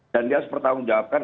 dan dia sepertanggung jawabkan